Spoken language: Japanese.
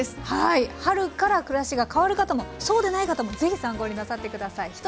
はい春から暮らしが変わる方もそうでない方もぜひ参考になさって下さい。